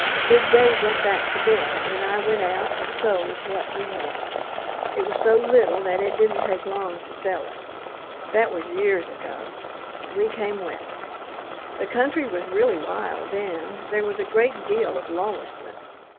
"Big Dave went back to bed, and I went out and sold what we had. It was so little that it didn't take long to sell it. That was years ago. We came West. The country was really wild then; there was a great deal of lawlessness.